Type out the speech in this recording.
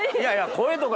声とか。